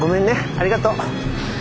ありがとう。